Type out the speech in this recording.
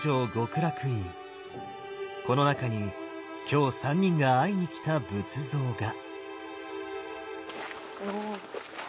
この中に今日三人が会いにきた仏像が。